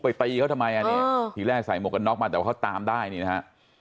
ไปคือทำไมใส่มกนล็อคมาแต่ตามได้นี่นะฮะ